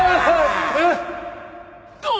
「どう？